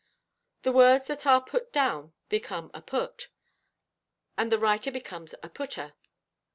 The words that are put down become a "put," and the writer becomes a "putter."